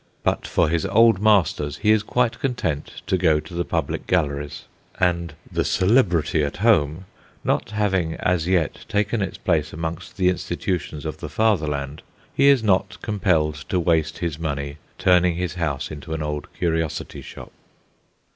But for his Old Masters he is quite content to go to the public galleries; and "the Celebrity at Home" not having as yet taken its place amongst the institutions of the Fatherland, he is not impelled to waste his, money turning his house into an old curiosity shop.